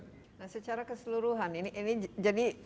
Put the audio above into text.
nah secara keseluruhan ini jadi